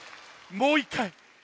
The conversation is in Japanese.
もう１かい